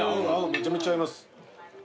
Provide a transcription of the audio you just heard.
めちゃめちゃ合います。